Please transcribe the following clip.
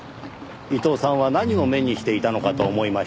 伊藤さんは何を目にしていたのかと思いましてね。